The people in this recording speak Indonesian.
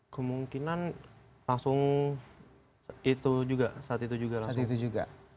kemungkinan langsung itu juga saat itu juga langsung